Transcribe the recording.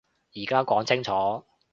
而家講清楚